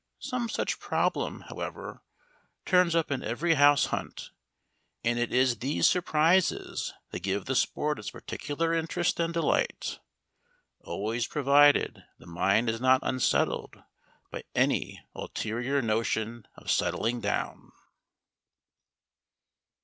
Some such problem, however, turns up in every house hunt, and it is these surprises that give the sport its particular interest and delight. Always provided the mind is not unsettled by any ulterior notion of settling down.